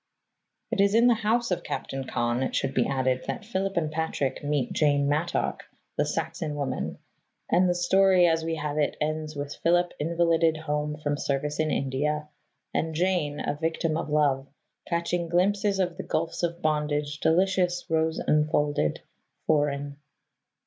'" It is in the house of Captain Con, it should be added, that Philip and Patrick meet Jane Mattock, the Saxon woman; and the story as we have it ends with Philip invalided home from service in India, and Jane, a victim of love, catching "glimpses of the gulfs of bondage, delicious, rose enfolded, foreign."